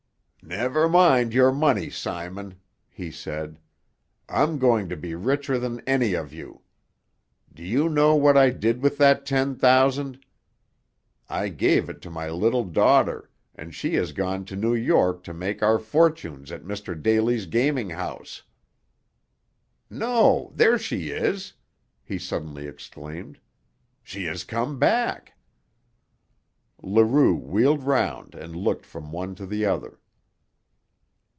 "Never mind your money, Simon," he said. "I'm going to be richer than any of you. Do you know what I did with that ten thousand? I gave it to my little daughter, and she has gone to New York to make our fortunes at Mr. Daly's gaming house. No, there she is!" he suddenly exclaimed. "She has come back!" Leroux wheeled round and looked from one to the other.